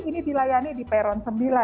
ini dilayani di peron sembilan